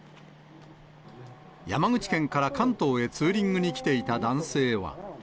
山口県から関東へツーリングに来ていた男性は。